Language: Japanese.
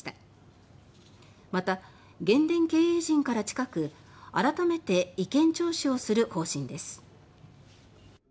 また、原電経営陣から近く改めて意見聴取をする方針です。